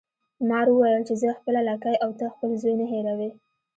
مار وویل چې زه خپله لکۍ او ته خپل زوی نه هیروي.